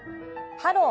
「ハロー！